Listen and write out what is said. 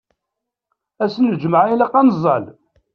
Ass-a d lǧemɛa, ilaq ad neẓẓal.